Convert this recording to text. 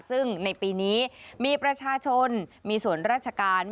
ซึ่งในปีนี้มีประชาชนมีส่วนราชการ